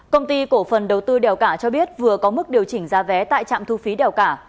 công ty cổ phần đầu tư đèo cả cho biết vừa có mức điều chỉnh giá vé tại trạm thu phí đèo cả